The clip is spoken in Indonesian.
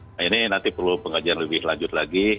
nah ini nanti perlu pengajian lebih lanjut lagi